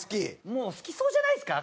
もう好きそうじゃないですか？